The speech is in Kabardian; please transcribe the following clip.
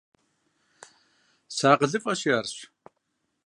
СыакъылыфӀэщи, арщ.